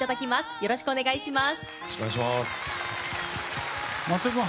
よろしくお願いします。